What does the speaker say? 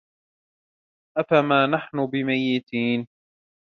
أَفَمَا نَحْنُ بِمَيِّتِينَ